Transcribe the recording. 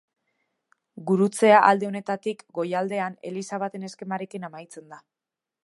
Gurutzea, alde honetatik, goialdean, Eliza baten eskemarekin amaitzen da.